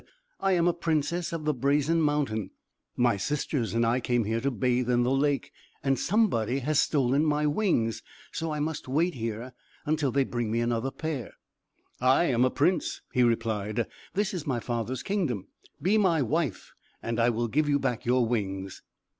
"I am a princess of the Brazen Mountain; my sisters and I came here to bathe in the lake; and somebody has stolen my wings; so I must wait here, until they bring me another pair." "I am a prince," he replied; "this is my father's kingdom; be my wife, and I will give you back your wings."